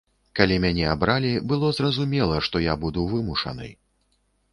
Калі мяне абралі, было зразумела, што я буду вымушаны!